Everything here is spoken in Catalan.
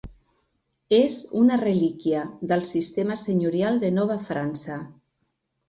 És una relíquia del sistema senyorial de Nova França.